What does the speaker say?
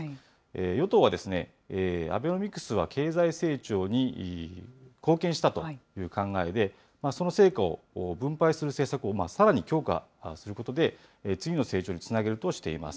与党はアベノミクスは経済成長に貢献したという考えで、その成果を分配する政策をさらに強化することで、次の成長につなげるとしています。